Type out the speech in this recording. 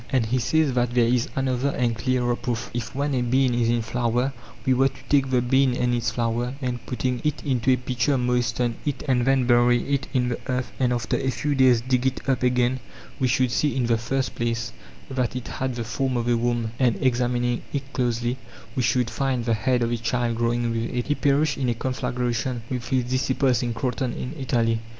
And he says that there is another and clearer proof: if when a bean is in flower we were to take the bean and its flower, and putting it into a pitcher moisten it and then bury it in _ the earth, and after a few days dig it up again, we should seein the first place that it had the form of a womb, and examining it closely we should find the head of a child growing with it. He perished in a conflagration with his disciples in Kroton in Italy.